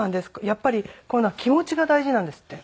やっぱりこういうのは気持ちが大事なんですって。